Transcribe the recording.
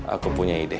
aku punya ide